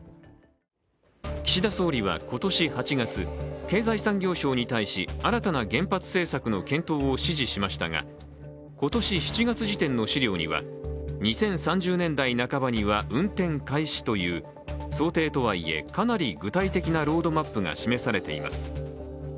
岸田総理は今年８月、経済産業省に対し新たな原発政策の検討を指示しましたが今年７月時点の資料には２０３０年代半ばには運転開始という想定とはいえ、かなり具体的なロードマップが示されています。